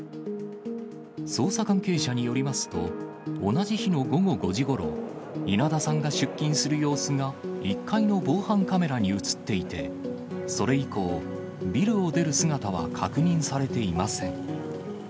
捜査関係者によりますと、同じ日の午後５時ごろ、稲田さんが出勤する様子が、１階の防犯カメラに写っていて、それ以降、ビルを出る姿は確認されていません。